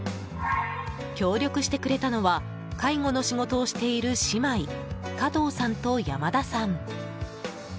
協力してくれたのは介護の仕事をしている姉妹加藤さんと山田さん。